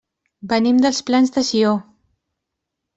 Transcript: Venim dels Plans de Sió.